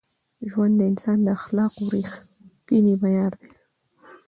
ژوند د انسان د اخلاقو رښتینی معیار دی.